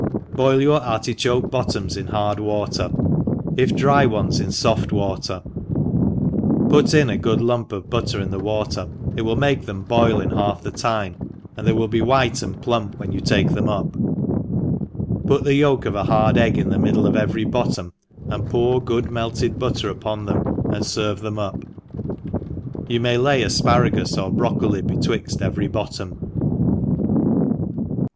BOIL your artichoke bottoms in hard water» if dry ones in foft water, put in a good lump of butter in the water^ it will make them boil in half the time^ and they will be white and plump \ when you put them up put the yolk of an hard egg in the middle of every bottom^ and pour good melted butter upon them» and ferve them up ; you may lay afparagus, or brocoli, betwixt every bottom.